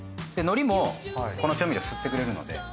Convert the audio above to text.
で海苔もこの調味料吸ってくれるので。